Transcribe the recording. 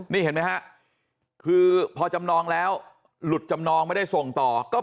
นี่เห็นไหมฮะคือพอจำนองแล้วหลุดจำนองไม่ได้ส่งต่อก็